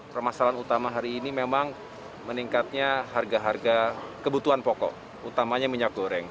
permasalahan utama hari ini memang meningkatnya harga harga kebutuhan pokok utamanya minyak goreng